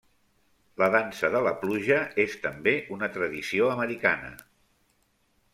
La dansa de la pluja és també una tradició americana.